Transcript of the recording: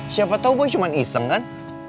siapa tau boy cuma iseng kan